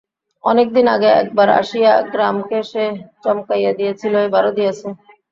অনেক দিন আগে একবার আসিয়া গ্রামকে সে চমকাইয়া দিয়াছিল, এবারও দিয়াছে।